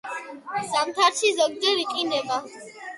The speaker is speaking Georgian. ზამთარში ზოგჯერ იყინება.